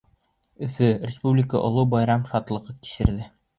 Өфө, республика оло байрам шатлығын кисерҙе.